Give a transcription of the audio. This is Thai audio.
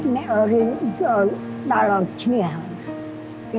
นะอย่าทริเชียวเดาลงชื่นยาว